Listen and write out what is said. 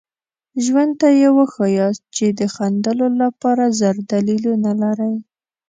ژوند ته یې وښایاست چې د خندلو لپاره زر دلیلونه لرئ.